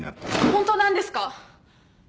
本当なんですか！？